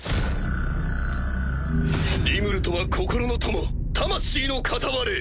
リムルとは心の友魂の片割れ！